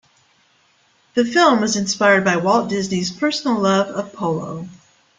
The film was inspired by Walt Disney's personal love of polo.